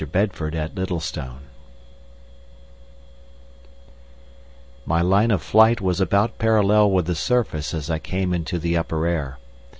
Bedford at Littlestone My line of flight was about parallel with the surface as I came into the upper air.